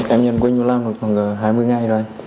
em nhận quên nhau làm được khoảng hai mươi ngày rồi